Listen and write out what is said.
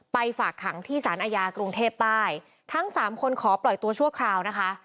ฝากขังที่สารอาญากรุงเทพใต้ทั้งสามคนขอปล่อยตัวชั่วคราวนะคะ